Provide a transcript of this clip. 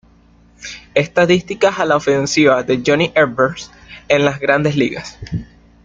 Estadísticas a la ofensiva de Johnny Evers en las Grandes Ligas.